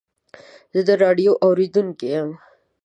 زه د راډیو اورېدونکی یم.